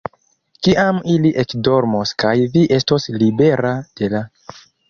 Kiam ili ekdormos kaj vi estos libera de la.